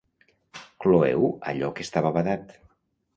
Cloeu allò que estava badat.